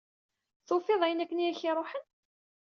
Tufiḍ ayen akken i ak-iruḥen?